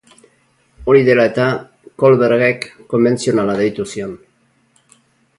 Hori dela-eta, Kohlberg-ek konbentzionala deitu zion.